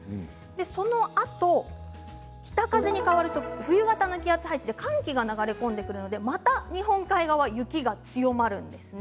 そのあと北風に変わると冬型の気圧配置で寒気が流れ込んでくるのでまた日本海側は雪が強まるんです。